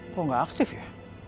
kok gak aktif ya